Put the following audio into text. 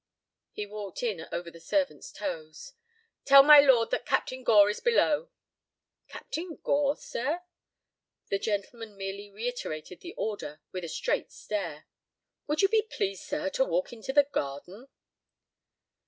He walked in over the servant's toes. "Tell my lord that Captain Gore is below." "Captain Gore, sir?" The gentleman merely reiterated the order with a straight stare. "Would you be pleased, sir, to walk into the garden."